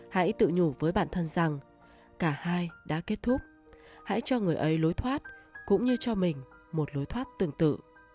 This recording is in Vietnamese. hãy tự nhủ với bản thân rằng cả hai đã kết thúc hãy cho người ấy lối thoát cũng như cho mình một lối thoát tương tự